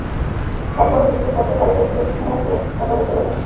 তার পরে দ্রুতপদে বাইরের বৈঠকখানায় গিয়ে একা বসে রইলেন।